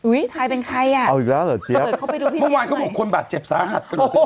อุ๊ยทายเป็นใครอ่ะเปิดเข้าไปดูพี่เรียบไหนโอ้โฮมากโอ้โฮ